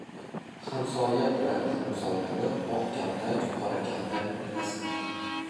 Hamsoya bilan hamsoyani oqkaltak-qorakaltak etasan.